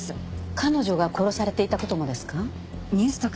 彼女が殺されていた事もですか？